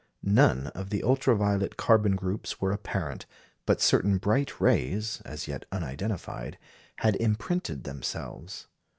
None of the ultra violet carbon groups were apparent; but certain bright rays, as yet unidentified, had imprinted themselves.